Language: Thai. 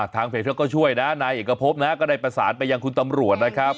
ทางเพจเขาก็ช่วยนะนายเอกพบนะก็ได้ประสานไปยังคุณตำรวจนะครับ